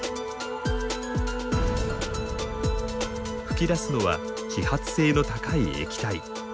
噴き出すのは揮発性の高い液体。